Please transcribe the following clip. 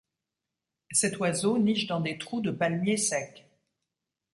Cet oiseau niche dans des trous de palmiers secs.